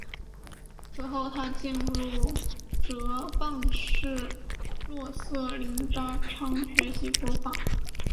此后他进入哲蚌寺洛色林扎仓学习佛法。